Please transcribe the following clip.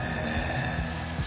へえ。